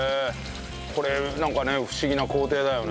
これなんかね不思議な工程だよね。